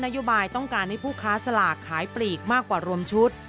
โยบายต้องการให้ผู้ค้าสลากขายปลีกมากกว่ารวมชุด